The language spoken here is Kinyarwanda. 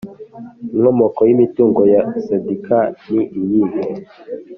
Inkomoko y imitungo ya Sendika ni iyihe